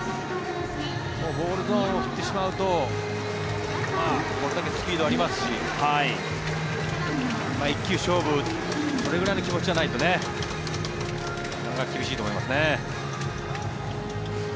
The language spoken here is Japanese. ボールゾーンを振ってしまうとスピードがありますし１球勝負それくらいの気持ちじゃないとこれは厳しいと思いますね。